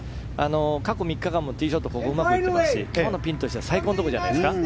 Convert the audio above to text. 過去３日間もティーショットここうまくいっていますし今日のピンからしたら最高のところじゃないですか。